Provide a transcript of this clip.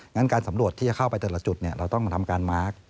งั้นการสำรวจที่จะเข้าไปแต่ละจุดเราต้องทำการมาร์ค